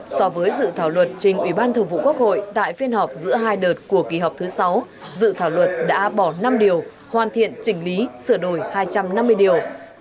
so với dự thảo luật trình ủy ban thường vụ quốc hội tại phiên họp giữa hai đợt của kỳ họp thứ sáu dự thảo luật đã bỏ năm điều hoàn thiện chỉnh lý sửa đổi hai trăm năm mươi điều